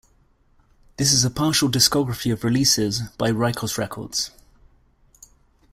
This is a partial discography of releases by Rikos Records.